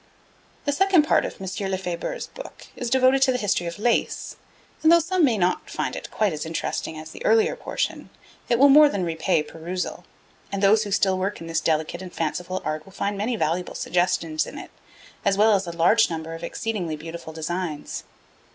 The second part of M. Lefebure's book is devoted to the history of lace, and though some may not find it quite as interesting as the earlier portion it will more than repay perusal; and those who still work in this delicate and fanciful art will find many valuable suggestions in it, as well as a large number of exceedingly beautiful designs.